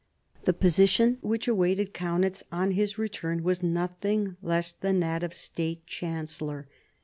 The position which awaited Kaunitz on his return was nothing less than that of State Chancellor.